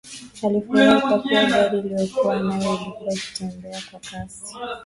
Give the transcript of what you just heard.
Alifurahi kwa kuwa gari aliyokuwa nayo ilikuwa ikitembea kwa kasi